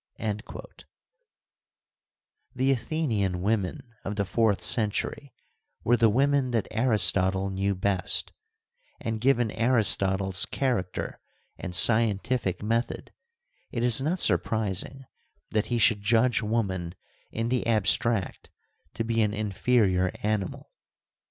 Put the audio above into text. * The Athenian women of the fourth century were the women that Aristotle knew best, and, given Aristotle's character and scientific method, it is not surprising that he should judge Woman in the abstract to be an inferior animal.